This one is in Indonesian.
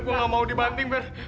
gue nggak mau dibanting fir